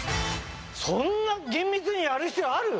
そんな厳密にやる必要ある？